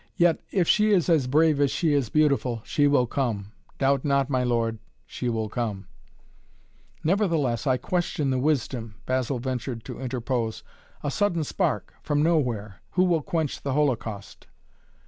"Yet if she is as brave as she is beautiful she will come doubt not, my lord she will come " "Nevertheless, I question the wisdom," Basil ventured to interpose. "A sudden spark from nowhere who will quench the holocaust?"